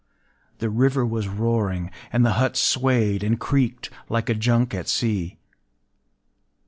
The river was roaring; and the hut swayed and creaked like a junk at sea.